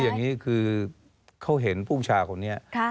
อย่างนี้คือเขาเห็นผู้ชายคนนี้